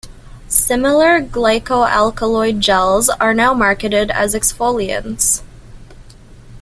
Similar glycoalkaloid gels are now marketed as exfoliants.